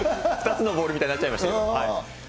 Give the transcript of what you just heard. ２つのボールみたいになっちゃって。